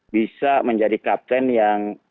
bisa menjadi kapten yang